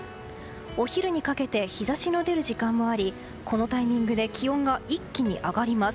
お昼にかけて日差しの出る時間もありこのタイミングで気温が一気に上がります。